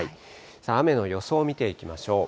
さあ、雨の予想を見ていきましょう。